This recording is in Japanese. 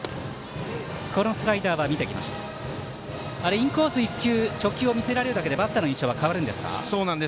インコース１球直球を見せられるだけでバッターの印象は変わるんですか？